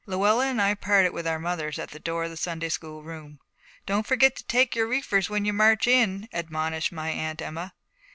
Luella and I parted with our mothers at the door of the Sunday school room. 'Don't forget to take your reefers when you march in,' admonished my Aunt Emma.